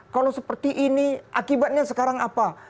kalau seperti ini akibatnya sekarang apa